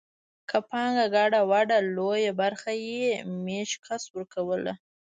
که پانګه ګډه وه لویه برخه یې مېشت کس ورکوله